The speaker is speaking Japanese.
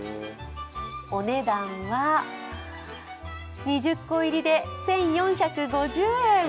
お値段は２０個入りで１４５０円。